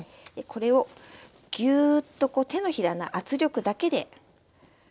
これをギュウっと手のひらの圧力だけで。